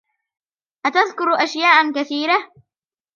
أتذكر أشياء كثيرة.